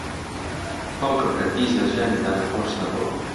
باوکم هەرگیز لە ژیانیدا نەخۆش نەبووە.